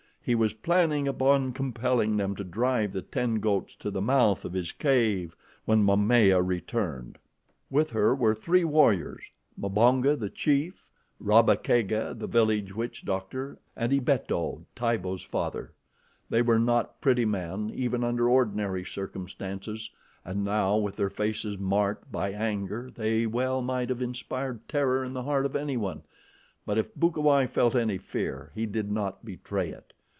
He was planning upon compelling them to drive the ten goats to the mouth of his cave when Momaya returned. With her were three warriors Mbonga, the chief, Rabba Kega, the village witch doctor, and Ibeto, Tibo's father. They were not pretty men even under ordinary circumstances, and now, with their faces marked by anger, they well might have inspired terror in the heart of anyone; but if Bukawai felt any fear, he did not betray it.